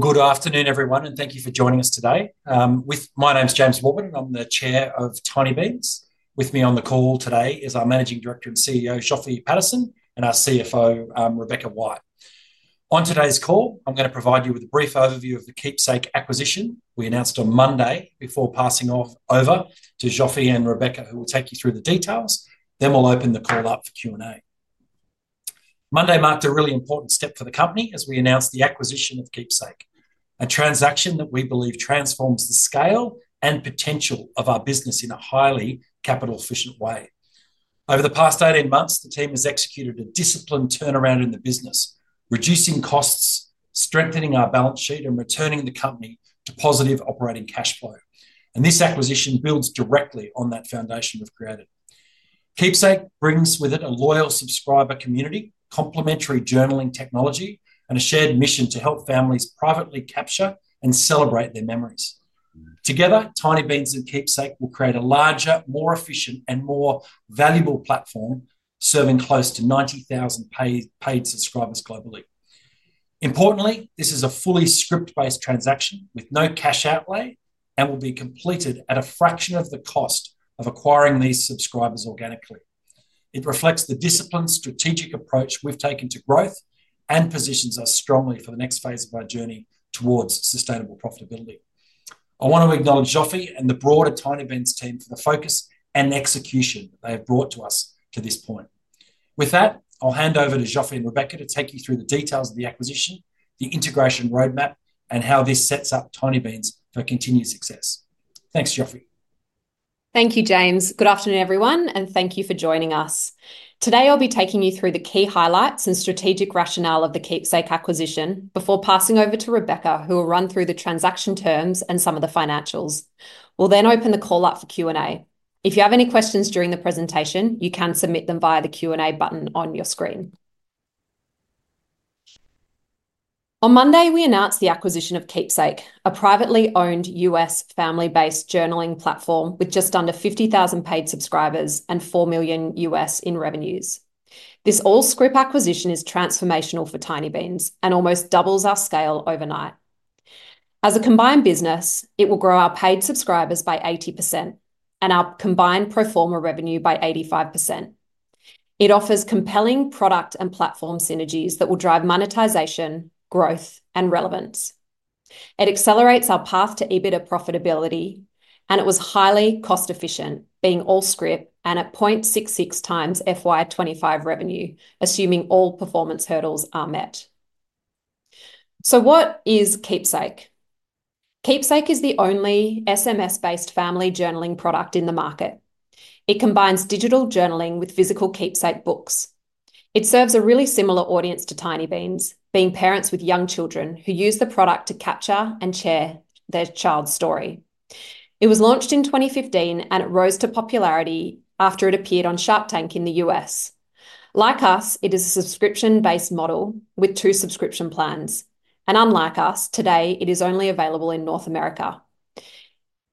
Good afternoon, everyone, and thank you for joining us today. My name's James Warburton, and I'm the Chair of Tinybeans. With me on the call today is our Managing Director and CEO, Zsofi Paterson, and our CFO, Rebecca White. On today's call, I'm going to provide you with a brief overview of the Qeepsake acquisition we announced on Monday before passing over to Zsofi and Rebecca, who will take you through the details. Then we'll open the call up for Q&A. Monday marked a really important step for the company as we announced the acquisition of Qeepsake, a transaction that we believe transforms the scale and potential of our business in a highly capital-efficient way. Over the past 18 months, the team has executed a disciplined turnaround in the business, reducing costs, strengthening our balance sheet, and returning the company to positive operating cash flow. And this acquisition builds directly on that foundation we've created. Qeepsake brings with it a loyal subscriber community, complimentary journaling technology, and a shared mission to help families privately capture and celebrate their memories. Together, Tinybeans and Qeepsake will create a larger, more efficient, and more valuable platform serving close to 90,000 paid subscribers globally. Importantly, this is a fully scrip-based transaction with no cash outlay and will be completed at a fraction of the cost of acquiring these subscribers organically. It reflects the disciplined strategic approach we've taken to growth and positions us strongly for the next phase of our journey towards sustainable profitability. I want to acknowledge Zsofi and the broader Tinybeans team for the focus and execution they have brought us to this point. With that, I'll hand over to Zsofi and Rebecca to take you through the details of the acquisition, the integration roadmap, and how this sets up Tinybeans for continued success. Thanks, Zsofi. Thank you, James. Good afternoon, everyone, and thank you for joining us. Today, I'll be taking you through the key highlights and strategic rationale of the Qeepsake acquisition before passing over to Rebecca, who will run through the transaction terms and some of the financials. We'll then open the call up for Q&A. If you have any questions during the presentation, you can submit them via the Q&A button on your screen. On Monday, we announced the acquisition of Qeepsake, a privately owned U.S. family-based journaling platform with just under 50,000 paid subscribers and $4 million in revenues. This all-share acquisition is transformational for Tinybeans and almost doubles our scale overnight. As a combined business, it will grow our paid subscribers by 80% and our combined pro forma revenue by 85%. It offers compelling product and platform synergies that will drive monetization, growth, and relevance. It accelerates our path to EBITDA profitability, and it was highly cost-efficient, being all-share and at 0.66 times FY 2025 revenue, assuming all performance hurdles are met. So what is Qeepsake? Qeepsake is the only SMS-based family journaling product in the market. It combines digital journaling with physical Qeepsake books. It serves a really similar audience to Tinybeans, being parents with young children who use the product to capture and share their child's story. It was launched in 2015, and it rose to popularity after it appeared on Shark Tank in the U.S. Like us, it is a subscription-based model with two subscription plans. And unlike us, today it is only available in North America.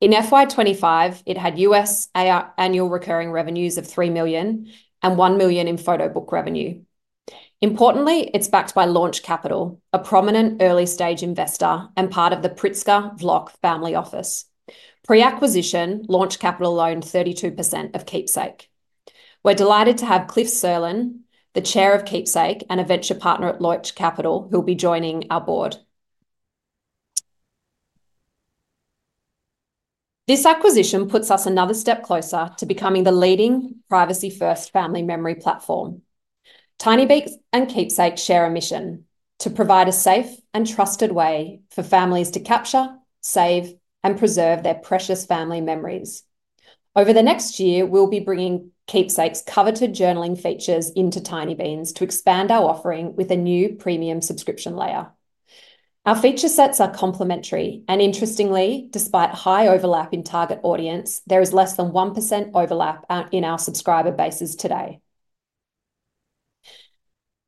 In FY 2025, it had U.S. annual recurring revenues of $3 million and $1 million in photo book revenue. Importantly, it's backed by LaunchCapital, a prominent early-stage investor and part of the Pritzker Vlock Family Office. Pre-acquisition, LaunchCapital owned 32% of Qeepsake. We're delighted to have Cliff Sirlin, the Chair of Qeepsake and a Venture Partner at LaunchCapital, who will be joining our board. This acquisition puts us another step closer to becoming the leading privacy-first family memory platform. Tinybeans and Qeepsake share a mission to provide a safe and trusted way for families to capture, save, and preserve their precious family memories. Over the next year, we'll be bringing Qeepsake's coveted journaling features into Tinybeans to expand our offering with a new premium subscription layer. Our feature sets are complementary, and interestingly, despite high overlap in target audience, there is less than 1% overlap in our subscriber bases today.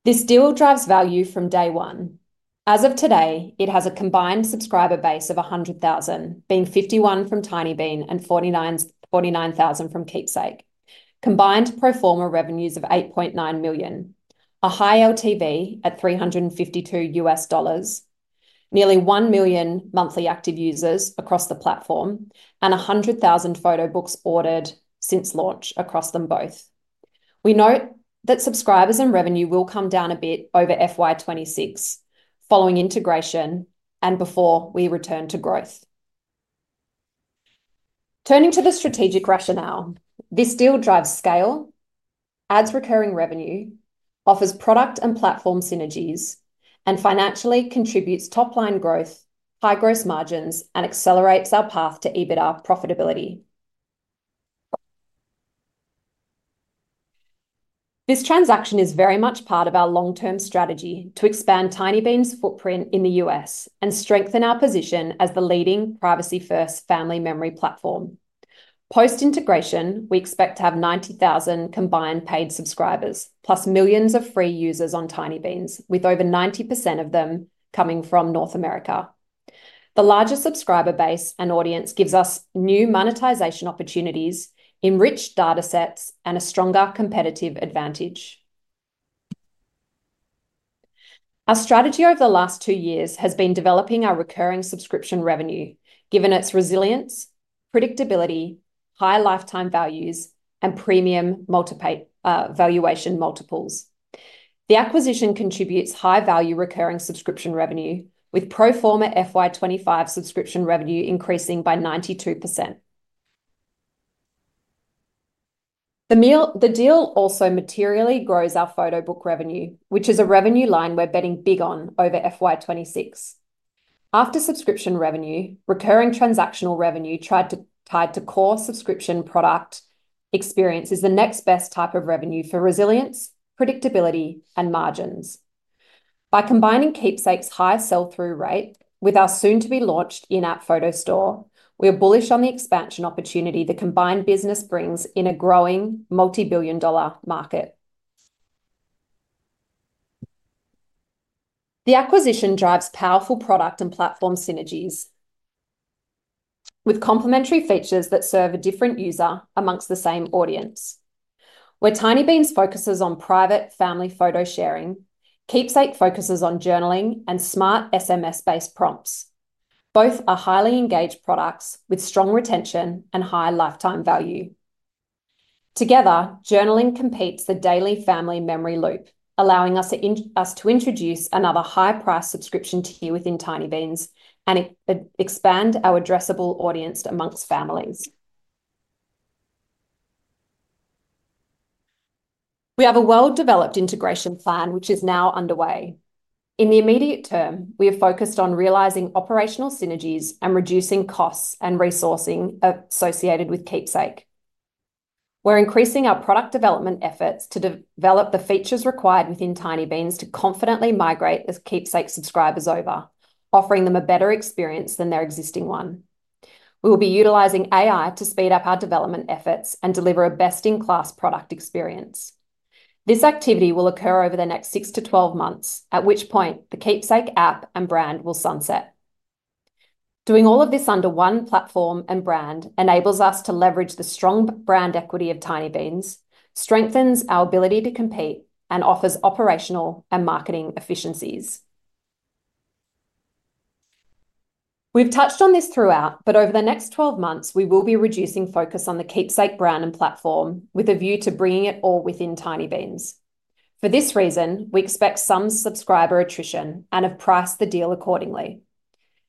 This deal drives value from day one. As of today, it has a combined subscriber base of 100,000, being 51,000 from Tinybeans and 49,000 from Qeepsake, combined pro forma revenues of $8.9 million, a high LTV at $352, nearly 1 million monthly active users across the platform, and 100,000 photo books ordered since launch across them both. We note that subscribers and revenue will come down a bit over FY 2026 following integration and before we return to growth. Turning to the strategic rationale, this deal drives scale, adds recurring revenue, offers product and platform synergies, and financially contributes top-line growth, high gross margins, and accelerates our path to EBITDA profitability. This transaction is very much part of our long-term strategy to expand Tinybeans' footprint in the U.S. and strengthen our position as the leading privacy-first family memory platform. Post-integration, we expect to have 90,000 combined paid subscribers, plus millions of free users on Tinybeans, with over 90% of them coming from North America. The larger subscriber base and audience gives us new monetization opportunities, enriched data sets, and a stronger competitive advantage. Our strategy over the last two years has been developing our recurring subscription revenue, given its resilience, predictability, high lifetime values, and premium valuation multiples. The acquisition contributes high-value recurring subscription revenue, with pro forma FY 2025 subscription revenue increasing by 92%. The deal also materially grows our photo book revenue, which is a revenue line we're betting big on over FY 2026. After subscription revenue, recurring transactional revenue tied to core subscription product experience is the next best type of revenue for resilience, predictability, and margins. By combining Qeepsake's high sell-through rate with our soon-to-be-launched in-app photo store, we are bullish on the expansion opportunity the combined business brings in a growing multi-billion-dollar market. The acquisition drives powerful product and platform synergies. With complementary features that serve a different user among the same audience. Where Tinybeans focuses on private family photo sharing, Qeepsake focuses on journaling and smart SMS-based prompts. Both are highly engaged products with strong retention and high lifetime value. Together, journaling completes the Daily Family Memory Loop, allowing us to introduce another high-priced subscription tier within Tinybeans and expand our addressable audience among families. We have a well-developed integration plan, which is now underway. In the immediate term, we are focused on realizing operational synergies and reducing costs and resourcing associated with Qeepsake. We're increasing our product development efforts to develop the features required within Tinybeans to confidently migrate Qeepsake subscribers over, offering them a better experience than their existing one. We will be utilizing AI to speed up our development efforts and deliver a best-in-class product experience. This activity will occur over the next 6-12 months, at which point the Qeepsake app and brand will sunset. Doing all of this under one platform and brand enables us to leverage the strong brand equity of Tinybeans, strengthens our ability to compete, and offers operational and marketing efficiencies. We've touched on this throughout, but over the next 12 months, we will be reducing focus on the Qeepsake brand and platform with a view to bringing it all within Tinybeans. For this reason, we expect some subscriber attrition and have priced the deal accordingly.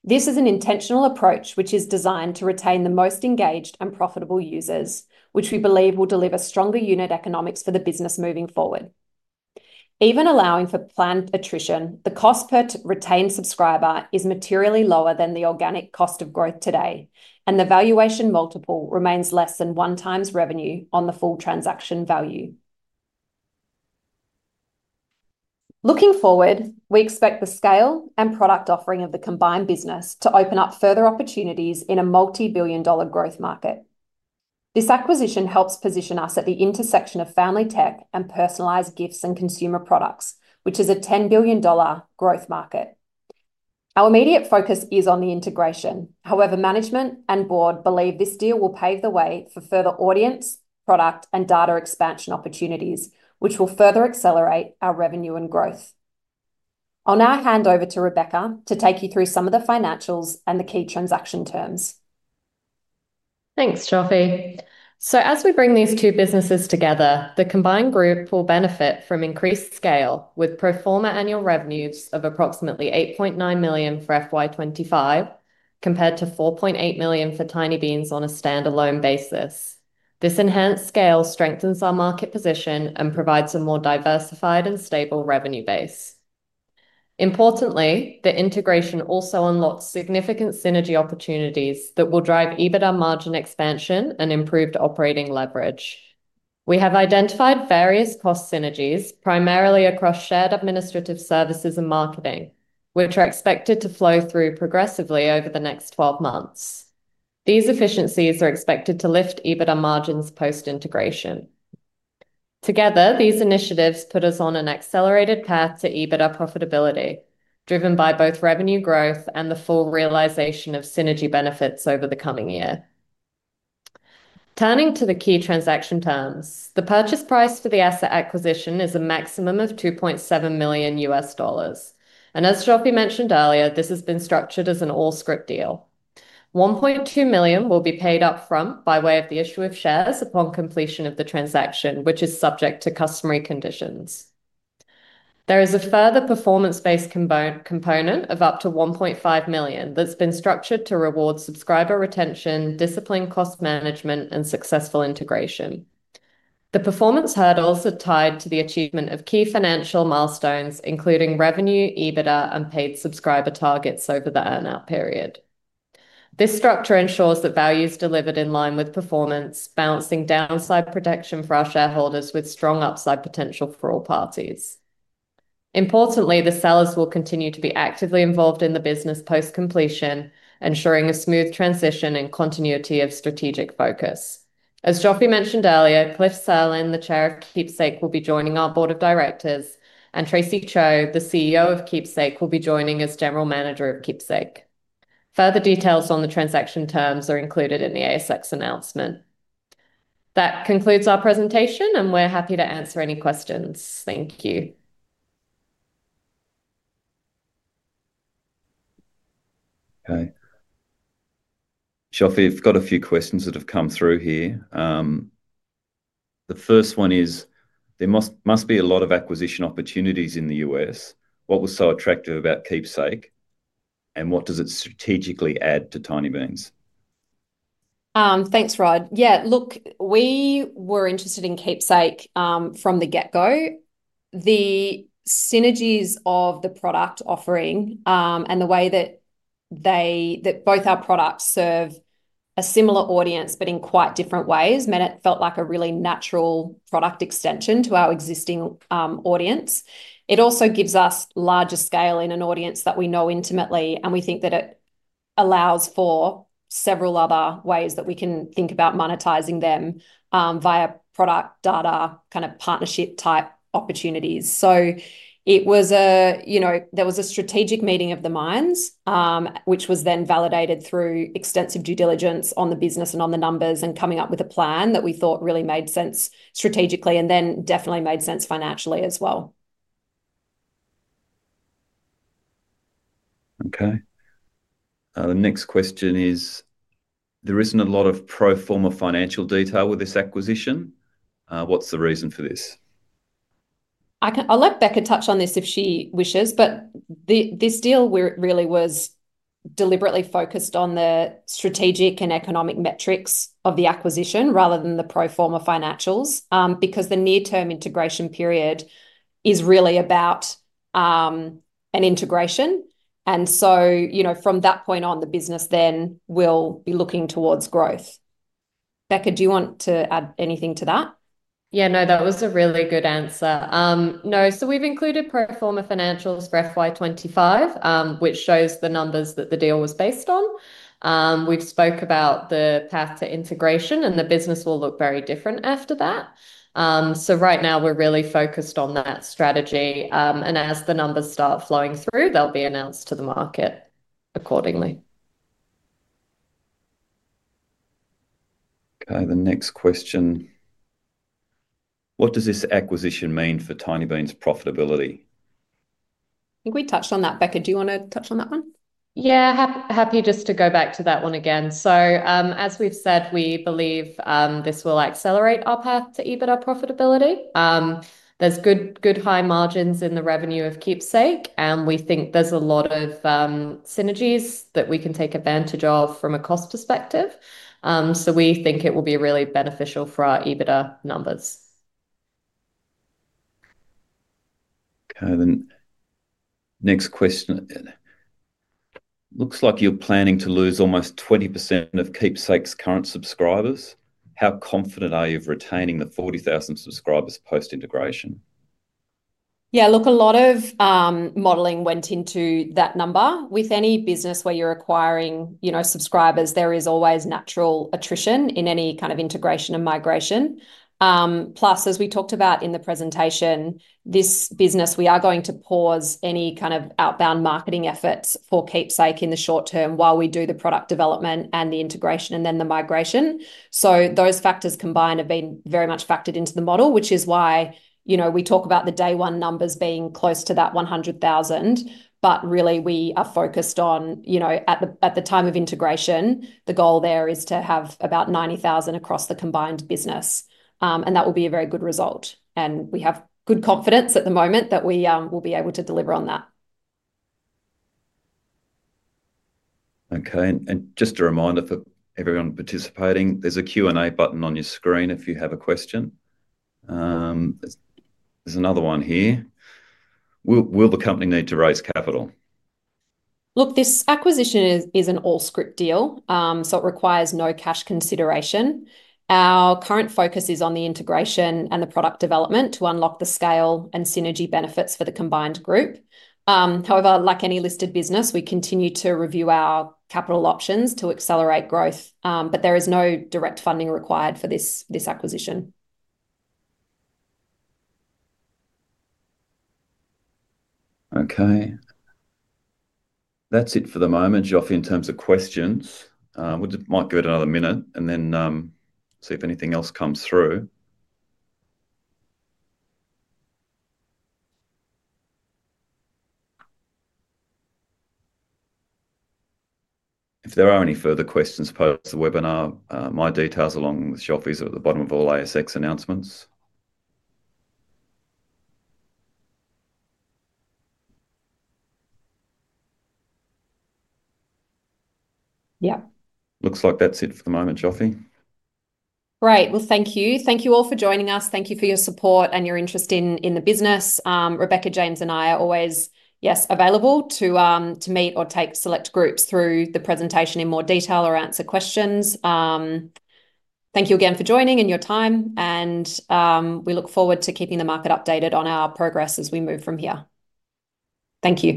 This is an intentional approach which is designed to retain the most engaged and profitable users, which we believe will deliver stronger unit economics for the business moving forward. Even allowing for planned attrition, the cost per retained subscriber is materially lower than the organic cost of growth today, and the valuation multiple remains less than one times revenue on the full transaction value. Looking forward, we expect the scale and product offering of the combined business to open up further opportunities in a multi-billion-dollar growth market. This acquisition helps position us at the intersection of family tech and personalized gifts and consumer products, which is a $10 billion growth market. Our immediate focus is on the integration. However, management and board believe this deal will pave the way for further audience, product, and data expansion opportunities, which will further accelerate our revenue and growth. I'll now hand over to Rebecca to take you through some of the financials and the key transaction terms. Thanks, Zsofi. So as we bring these two businesses together, the combined group will benefit from increased scale with pro forma annual revenues of approximately $8.9 million for FY 2025 compared to $4.8 million for Tinybeans on a standalone basis. This enhanced scale strengthens our market position and provides a more diversified and stable revenue base. Importantly, the integration also unlocks significant synergy opportunities that will drive EBITDA margin expansion and improved operating leverage. We have identified various cost synergies, primarily across shared administrative services and marketing, which are expected to flow through progressively over the next 12 months. These efficiencies are expected to lift EBITDA margins post-integration. Together, these initiatives put us on an accelerated path to EBITDA profitability, driven by both revenue growth and the full realization of synergy benefits over the coming year. Turning to the key transaction terms, the purchase price for the asset acquisition is a maximum of $2.7 million. And as Zsofi mentioned earlier, this has been structured as an all-scrip deal. $1.2 million will be paid upfront by way of the issue of shares upon completion of the transaction, which is subject to customary conditions. There is a further performance-based component of up to $1.5 million that's been structured to reward subscriber retention, discipline, cost management, and successful integration. The performance hurdles are tied to the achievement of key financial milestones, including revenue, EBITDA, and paid subscriber targets over the earn-out period. This structure ensures that value is delivered in line with performance, balancing downside protection for our shareholders with strong upside potential for all parties. Importantly, the sellers will continue to be actively involved in the business post-completion, ensuring a smooth transition and continuity of strategic focus. As Zsofi mentioned earlier, Cliff Sirlin, the Chair of Qeepsake, will be joining our Board of Directors, and Tracy Cho, the CEO of Qeepsake, will be joining as general manager of Qeepsake. Further details on the transaction terms are included in the ASX announcement. That concludes our presentation, and we're happy to answer any questions. Thank you. Okay. Zsofi, I've got a few questions that have come through here. The first one is, there must be a lot of acquisition opportunities in the U.S. What was so attractive about Qeepsake? And what does it strategically add to Tinybeans? Thanks, Rod. Yeah, look, we were interested in Qeepsake from the get-go. The synergies of the product offering and the way that both our products serve a similar audience, but in quite different ways, meant it felt like a really natural product extension to our existing audience. It also gives us larger scale in an audience that we know intimately, and we think that it allows for several other ways that we can think about monetizing them via product data kind of partnership-type opportunities. So it was a, you know, there was a strategic meeting of the minds, which was then validated through extensive due diligence on the business and on the numbers and coming up with a plan that we thought really made sense strategically and then definitely made sense financially as well. Okay. The next question is. There isn't a lot of pro forma financial detail with this acquisition. What's the reason for this? I'll let Becca touch on this if she wishes, but this deal really was deliberately focused on the strategic and economic metrics of the acquisition rather than the pro forma financials because the near-term integration period is really about an integration. And so, you know, from that point on, the business then will be looking towards growth. Becca, do you want to add anything to that? Yeah, no, that was a really good answer. No, so we've included pro forma financials for FY 2025, which shows the numbers that the deal was based on. We've spoke about the path to integration, and the business will look very different after that. So right now, we're really focused on that strategy. And as the numbers start flowing through, they'll be announced to the market accordingly. Okay, the next question. What does this acquisition mean for Tinybeans' profitability? I think we touched on that, Becca. Do you want to touch on that one? Yeah, happy just to go back to that one again. So as we've said, we believe this will accelerate our path to EBITDA profitability. There's good high margins in the revenue of Qeepsake, and we think there's a lot of synergies that we can take advantage of from a cost perspective. So we think it will be really beneficial for our EBITDA numbers. Okay, then. Next question. Looks like you're planning to lose almost 20% of Qeepsake's current subscribers. How confident are you of retaining the 40,000 subscribers post-integration? Yeah, look, a lot of modeling went into that number. With any business where you're acquiring, you know, subscribers, there is always natural attrition in any kind of integration and migration. Plus, as we talked about in the presentation, this business, we are going to pause any kind of outbound marketing efforts for Qeepsake in the short term while we do the product development and the integration and then the migration. So those factors combined have been very much factored into the model, which is why, you know, we talk about the day-one numbers being close to that 100,000, but really we are focused on, you know, at the time of integration, the goal there is to have about 90,000 across the combined business. And that will be a very good result. And we have good confidence at the moment that we will be able to deliver on that. Okay, and just a reminder for everyone participating, there's a Q&A button on your screen if you have a question. There's another one here. Will the company need to raise capital? Look, this acquisition is an all-scrip deal, so it requires no cash consideration. Our current focus is on the integration and the product development to unlock the scale and synergy benefits for the combined group. However, like any listed business, we continue to review our capital options to accelerate growth, but there is no direct funding required for this acquisition. Okay. That's it for the moment, Zsofi, in terms of questions. We might give it another minute and then see if anything else comes through. If there are any further questions post the webinar, my details along with Zsofi's are at the bottom of all ASX announcements. Yep. Looks like that's it for the moment, Zsofi. Right, well, thank you. Thank you all for joining us. Thank you for your support and your interest in the business. Rebecca, James, and I are always, yes, available to meet or take select groups through the presentation in more detail or answer questions. Thank you again for joining and your time, and we look forward to keeping the market updated on our progress as we move from here. Thank you.